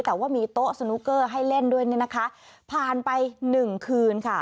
แต่ว่ามีโต๊ะสนุกเกอร์ให้เล่นด้วยเนี่ยนะคะผ่านไปหนึ่งคืนค่ะ